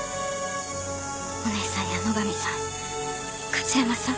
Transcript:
お姉さんや野上さん加津山さん。